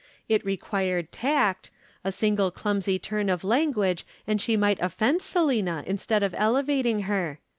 It required tact a single clumsy turn of language and she might offend Selina instead of elevating her.